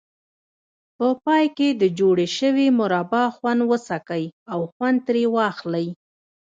په پای کې د جوړې شوې مربا خوند وڅکئ او خوند ترې واخلئ.